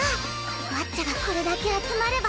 ワッチャがこれだけ集まれば。